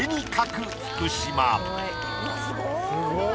すごい！